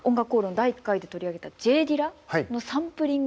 第１回で取り上げたＪ・ディラのサンプリング。